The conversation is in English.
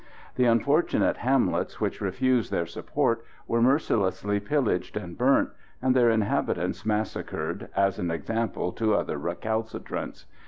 The unfortunate hamlets which refused their support were mercilessly pillaged and burnt, and their inhabitants massacred as an example to other recalcitrants.